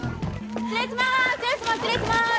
失礼します！